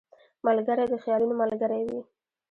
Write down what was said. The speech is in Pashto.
ملګری د خیالونو ملګری وي